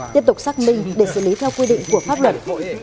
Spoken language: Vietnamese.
tiếp tục xác minh để xử lý theo quy định của pháp luật